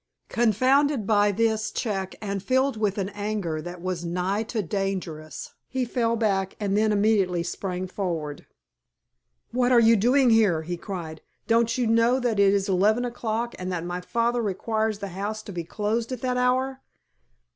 Confounded by this check and filled with an anger that was nigh to dangerous, he fell back and then immediately sprang forward. "What are you doing here?" he cried. "Don't you know that it is eleven o'clock and that my father requires the house to be closed at that hour?"